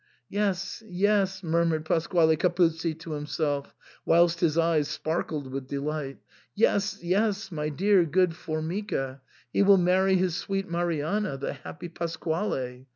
" Yes, yes," murmured Pasquale Capuzzi to himself, whilst his eyes sparkled with delight, "yes, yes, my dear, good Formica ; he will marry his sweet Marianna, the happy Pasquale.